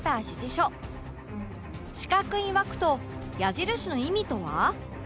四角い枠と矢印の意味とは？